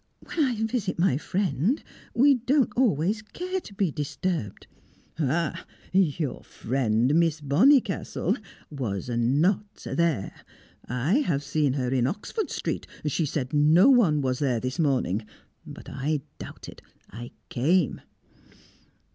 "When I visit my friend, we don't always care to be disturbed " "Ha! Your friend Miss Bonnicastle was not there! I have seen her in Oxford Street! She said no one was there this morning, but I doubted I came!"